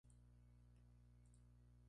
Él y Dolores Tosta salieron al exilio.